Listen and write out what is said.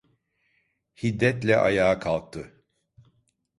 Hiddetle ayağa kalktı: